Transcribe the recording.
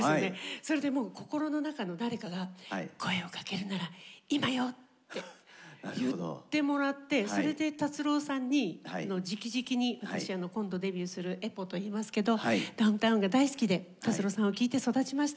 それでもう心の中の誰かが「声をかけるなら今よ」って言ってもらってそれで達郎さんにじきじきに「私今度デビューするＥＰＯといいますけど『ＤＯＷＮＴＯＷＮ』が大好きで達郎さんを聴いて育ちました。